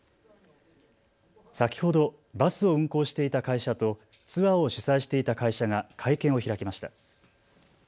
先ほどバスを運行していた会社とツアーを主催していた会社が会見を開きました。